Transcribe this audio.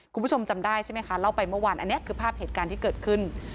คุณผู้ชมจำได้ใช่ไหมคะเล่าไปเมื่อวานอันนี้คือภาพเหตุการณ์ที่เกิดขึ้น